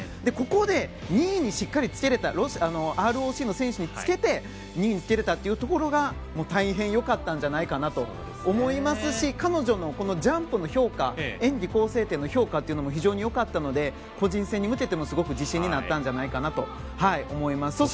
ここで、２位にしっかりつけれたＲＯＣの選手につけて２位につけられたというのが大変良かったんじゃないかなと思いますし彼女のこのジャンプの評価演技構成点の評価も非常に良かったので個人戦に向けても自信になったんじゃないかなと思います。